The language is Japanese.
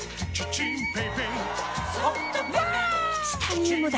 チタニウムだ！